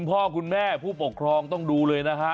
พ่อแม่ผู้ปกครองต้องดูเลยนะฮะ